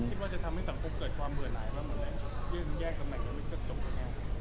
คิดว่าจะทำให้สังคมเกิดความเบื่อหน่ายหรือเปลี่ยนแยกกับแม่งแล้วไม่เกิดจบหรือแยก